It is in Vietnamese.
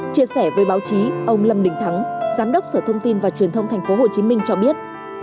chia sẻ với báo chí ông lâm đình thắng giám đốc sở thông tin và truyền thông tp hcm cho biết